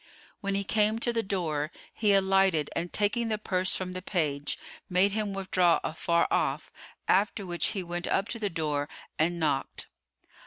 When he came to the door, he alighted and taking the purse from the page made him withdraw afar off; after which he went up to the door and knocked.